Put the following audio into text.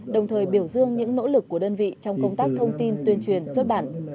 đồng thời biểu dương những nỗ lực của đơn vị trong công tác thông tin tuyên truyền xuất bản